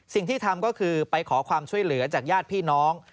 สิ่งที่ทำก็คือไปขอความช่วยเหลือจากญาติพี่น้อง